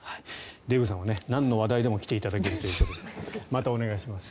デーブさんはなんの話題でも来ていただけるということでまたお願いします。